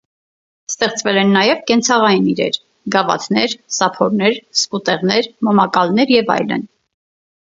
Ստեղծվել են նաև կենցաղային իրեր՝ գավաթներ, սափորներ, սկուտեղներ, մոմակալներ և այլն։